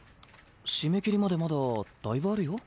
締め切りまでまだだいぶあるよ。